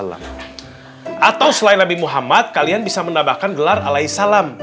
atau selain nabi muhammad kalian bisa menambahkan gelar alai salam